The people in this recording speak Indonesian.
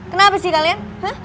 kenapa sih kalian